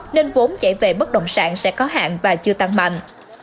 nên vốn chạy về bất động sản sẽ có hạn và chưa tăng mạnh